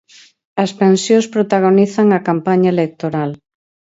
As pensións protagonizan a campaña electoral.